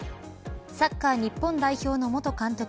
サッカー日本代表の元監督